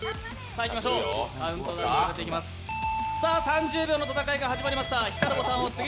３０秒の戦いが始まりました。